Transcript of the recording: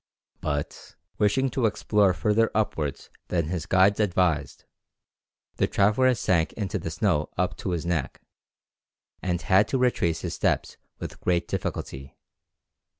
But, wishing to explore further upwards than his guides advised, the traveller sank into the snow up to his neck, and had to retrace his steps with great difficulty.